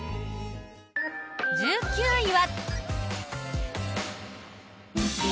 １９位は。